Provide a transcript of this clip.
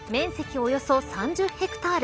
およそ３０ヘクタール